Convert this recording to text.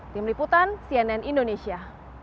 tim liputan cnn indonesia